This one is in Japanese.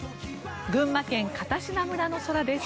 群馬県片品村の空です。